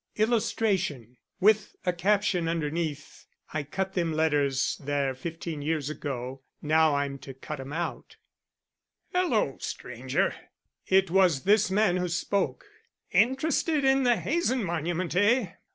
[Illustration: "I cut them letters there fifteen years ago. Now I'm to cut 'em out."] "Hello, stranger." It was this man who spoke. "Interested in the Hazen monument, eh?